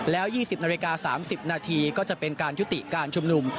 แล้ว๒๐นาฬิกา๓๐นาทีก็จะเป็นการยุติการชุมนุม